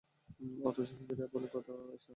অথচ ইহুদীরা বলে থাকে ইসহাকের কথা।